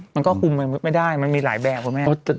มันก็คุมไม่ได้มันมีหลายแบบคุณแม่